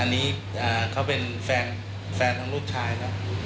อันนี้เขาเป็นแฟนทั้งลูกชายนะ